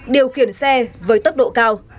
điều khiển xe với tốc độ cao